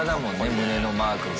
胸のマークが。